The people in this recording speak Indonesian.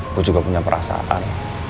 gue juga punya perasaan